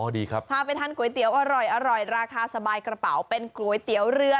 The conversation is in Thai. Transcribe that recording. ดีครับพาไปทานก๋วยเตี๋ยวอร่อยราคาสบายกระเป๋าเป็นก๋วยเตี๋ยวเรือ